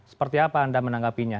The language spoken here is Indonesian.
seperti apa anda menanggapinya